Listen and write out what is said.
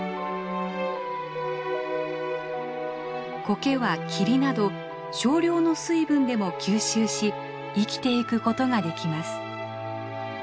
コケは霧など少量の水分でも吸収し生きていくことができます。